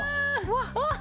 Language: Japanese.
うわっ！